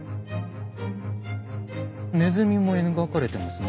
ネズミも描かれてますね。